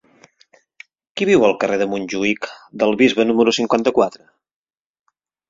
Qui viu al carrer de Montjuïc del Bisbe número cinquanta-quatre?